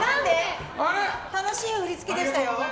楽しい振付でしたよ。